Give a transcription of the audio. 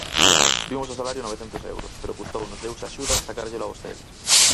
Subimos o salario a novecentos euros pero custounos deus e axuda sacárllelo a vostedes.